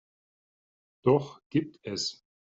Doch gibt es.